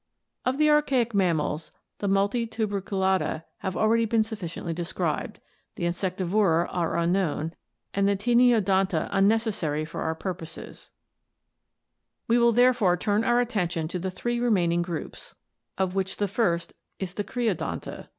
Of the archaic mammals the Multituberculata have already been sufficiently described, the Insectivora are unknown, and the Taeniodonta unnecessary for our purpose; we will therefore turn our attention to the three remaining groups, of which the first is the Creodonta (Gr.